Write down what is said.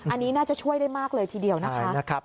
อันนี้น่าจะช่วยได้มากเลยทีเดียวนะคะ